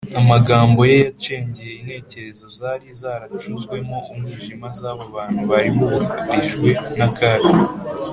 amagambo ye yacengeye intekerezo zari zaracuzwemo umwijima z’abo bantu bari bugarijwe n’akaga